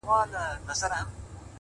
ټول کندهار کي يو لونگ دی” دی غواړي”